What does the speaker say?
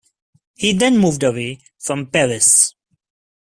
He then moved away from Paris.